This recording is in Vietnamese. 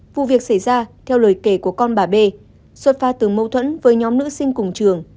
vụ việc xảy ra theo lời kể của con bà bê xuất phát từ mâu thuẫn với nhóm nữ sinh cùng trường